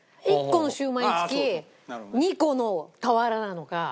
１個のシウマイにつき２個の俵なのか。